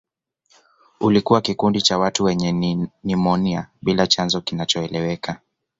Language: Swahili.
Ulikuwa kikundi cha watu wenye nimonia bila chanzo kinachoeleweka